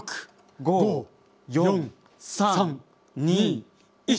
５４３２１。